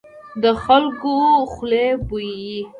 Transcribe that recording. د خلکو خولې بويي.